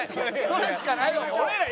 それしかないよ